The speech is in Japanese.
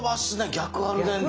逆アルデンテ。